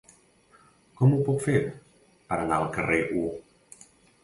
Com ho puc fer per anar al carrer U?